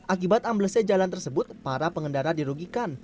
akibat amblesnya jalan tersebut para pengendara dirugikan